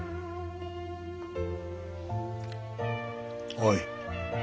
おい。